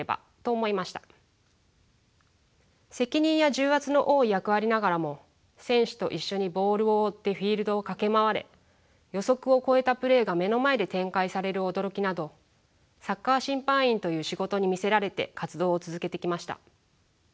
責任や重圧の多い役割ながらも選手と一緒にボールを追ってフィールドを駆け回れ予測を超えたプレーが目の前で展開される驚きなどサッカー審判員という仕事に魅せられて活動を続けてきました。